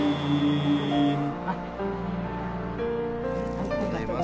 ありがとうございます。